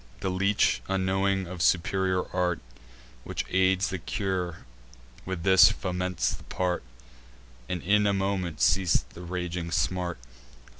The leech, unknowing of superior art Which aids the cure, with this foments the part; And in a moment ceas'd the raging smart.